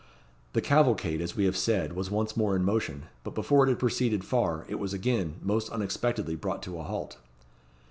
The cavalcade, as we have said, was once more in motion, but before it had proceeded far, it was again, most unexpectedly, brought to a halt.